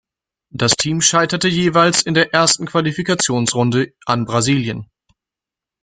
Das Team scheiterte jeweils in der ersten Qualifikationsrunde an Brasilien.